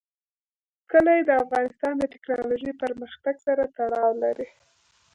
کلي د افغانستان د تکنالوژۍ پرمختګ سره تړاو لري.